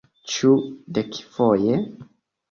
Ĉu dekfoje?